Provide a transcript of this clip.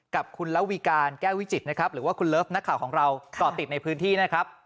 กับคุณละวีการแก้ววิจิตรนะครับหรือว่าคุณเลิฟนักข่าวของเราก่อติดในพื้นที่นะครับ